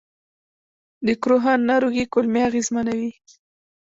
د کروهن ناروغي کولمې اغېزمنوي.